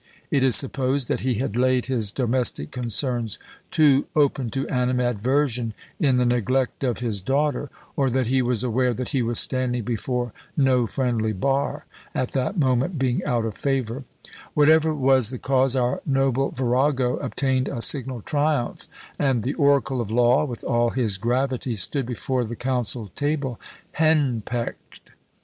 It is supposed that he had laid his domestic concerns too open to animadversion in the neglect of his daughter; or that he was aware that he was standing before no friendly bar, at that moment being out of favour; whatever was the cause, our noble virago obtained a signal triumph, and "the oracle of law," with all his gravity, stood before the council table hen pecked.